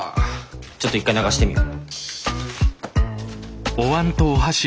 ちょっと一回流してみよ。